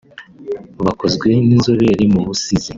bwakozwe n’Inzobere mu Busizi